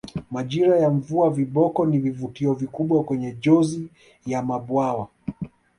Majira ya mvua viboko ni vivutio vikubwa kwenye jozi ya mabwawa